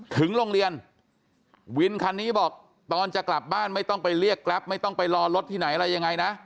ถึงโรงเรียนวินคันนี้บอกตอนจะกลับบ้านไม่ต้องไปเรียกแกรปไม่ต้องไปรอรถที่ไหนอะไรยังไงนะ